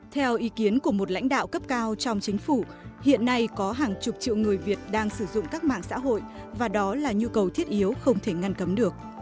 theo ý kiến của một lãnh đạo cấp cao trong chính phủ hiện nay có hàng chục triệu người việt đang sử dụng các mạng xã hội và đó là nhu cầu thiết yếu không thể ngăn cấm được